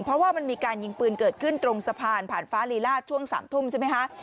เพราะว่ามันมีการยิงปืนเกิดขึ้นตรงสะพานผ่านฟ้าลีลาช่วง๓ทุ่มใช่ไหมคะ